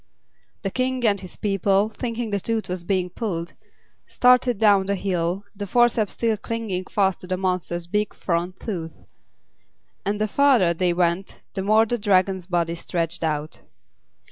The King and his people, thinking the tooth was being pulled, started down the hill, the forceps still clinging fast to the monster's big front tooth. And the farther they went the more Dragon's body stretched out.